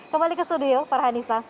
kembali ke studio farhanisa